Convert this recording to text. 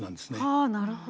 はあなるほどね。